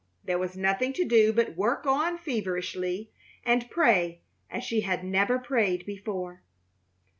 There was nothing to do but work on feverishly and pray as she had never prayed before.